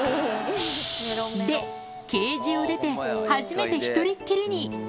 で、ケージを出て、初めて１人っきりに。